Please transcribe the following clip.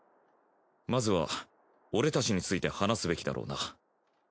まずは俺たちについて話すべきだろうな。